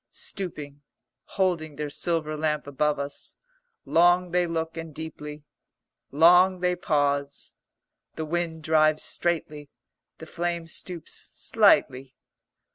Stooping, holding their silver lamp above us, long they look and deeply. Long they pause. The wind drives straightly; the flame stoops slightly.